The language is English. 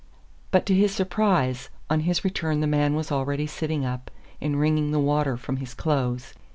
But, to his surprise, on his return the man was already sitting up and wringing the water from his clothes.